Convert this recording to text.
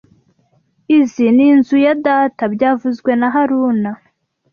Izoi ni inzu ya data byavuzwe na haruna